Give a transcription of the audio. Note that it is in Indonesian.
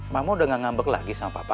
mama udah gak ngambek lagi sama papa